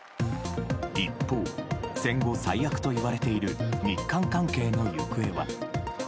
一方、戦後最悪といわれている日韓関係の行方は。